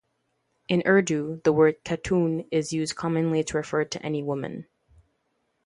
In Urdu, the word "khatun" is used commonly to refer to any woman.